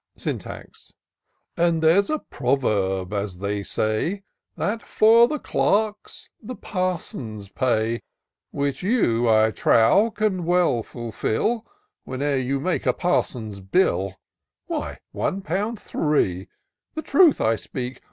Syntax. " And there's a proverb, as they say. That for the clerks the parsons pay ; Which you, I trow, can well fulfil, Whene'er you make a parson's bill. Why, one pound three, the truth I speak.